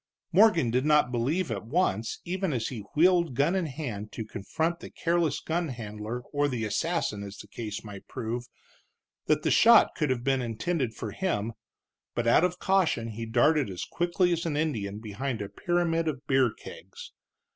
Morgan did not believe at once, even as he wheeled gun in hand to confront the careless gun handler or the assassin, as the case might prove, that the shot could have been intended for him, but out of caution he darted as quick as an Indian behind a pyramid of beer kegs.